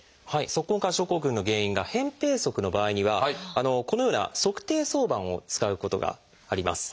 足根管症候群の原因が扁平足の場合にはこのような「足底挿板」を使うことがあります。